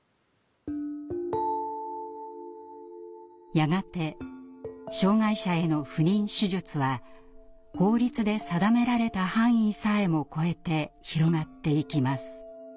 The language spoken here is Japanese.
やがて障害者への不妊手術は法律で定められた範囲さえもこえて広がっていきます。